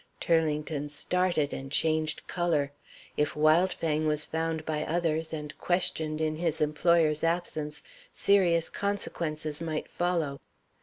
Turlington started and changed color. If Wildfang was found by others, and questioned in his employer's absence, serious consequences might follow.